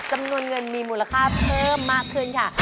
จำนวนเงินมีมูลค่าเพิ่มมากขึ้นค่ะ